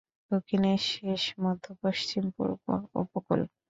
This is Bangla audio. দক্ষিণের শেষে, মধ্য পশ্চিম, পূর্ব উপকূল।